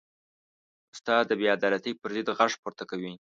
استاد د بېعدالتۍ پر ضد غږ پورته کوي.